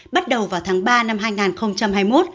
bắt đầu vào tháng ba năm hai nghìn hai mươi một